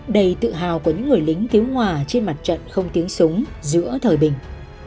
đầy tự hào của những người lính thiếu hòa trên mặt trận không tiếng súng giữa thời bình